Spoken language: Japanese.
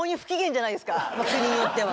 国によっては。